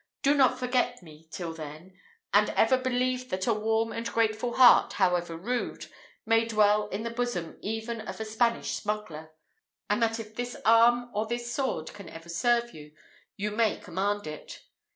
Do not forget me till then: and ever believe that a warm and grateful heart, however rude, may dwell in the bosom even of a Spanish smuggler; and that if this arm, or this sword, ever can serve you, you may command it.